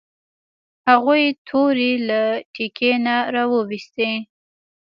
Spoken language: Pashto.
هغوی تورې له تیکي نه راویوستې.